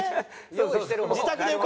用意してる方。